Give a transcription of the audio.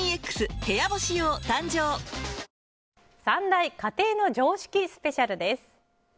３大家庭の常識スペシャルです。